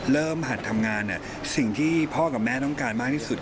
หัดทำงานสิ่งที่พ่อกับแม่ต้องการมากที่สุด